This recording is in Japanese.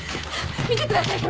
見てください